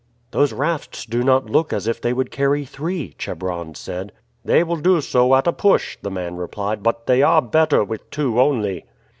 "Those rafts do not look as if they would carry three," Chebron said. "They will do so at a push," the man replied; "but they are better with two only."